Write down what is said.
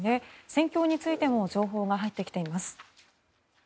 戦況についても情報が入ってきています。